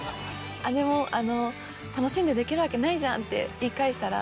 姉も「楽しんでできるわけないじゃん」って言い返したら。